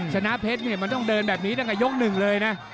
ชนะเพชรเนี่ยมันต้องเดินแบบนี้ตั้งแต่ยกหนึ่งเลยนะ